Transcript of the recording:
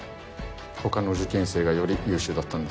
他の受験生がより優秀だったんです。